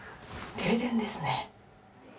停電ですね。